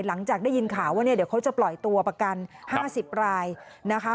หลังจากได้ยินข่าวว่าเนี่ยเดี๋ยวเขาจะปล่อยตัวประกัน๕๐รายนะคะ